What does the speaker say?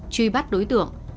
truy bắt đối tượng